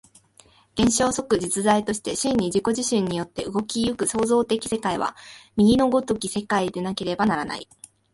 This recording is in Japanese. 現象即実在として真に自己自身によって動き行く創造的世界は、右の如き世界でなければならない。